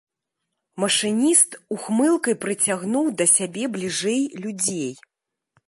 Машыніст ухмылкай прыцягнуў да сябе бліжэй людзей.